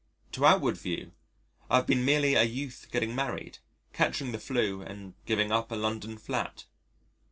To outward view, I have been merely a youth getting married, catching the 'flu and giving up a London flat.